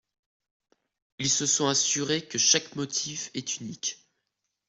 Ils se sont assurés que chaque motif est unique.